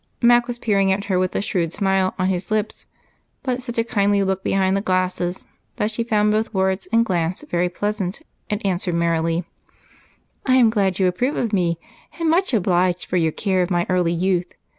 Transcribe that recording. Mac was peering at her with a shrewd smile on his lips, but such a kindly look behind the glasses that she found both words and glance very pleasant and answered merrily, "I am glad you approve of me, and much obliged for your care of my early youth.